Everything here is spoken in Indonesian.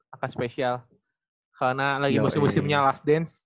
angka spesial karena lagi musim musimnya last dance